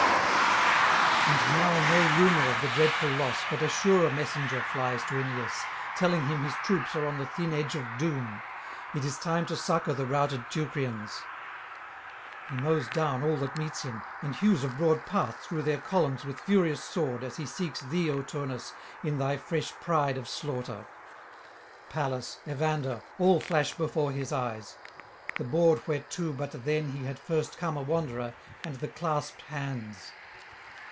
And now no rumour of the dreadful loss, but a surer messenger flies to Aeneas, telling him his troops are on the thin edge of doom; it is time to succour the routed Teucrians. He mows down all that meets him, and hews a broad path through their columns with furious sword, as he seeks thee, O Turnus, in thy fresh pride of slaughter. Pallas, Evander, all flash before his eyes; the board whereto but then he had first come a wanderer, and the clasped hands.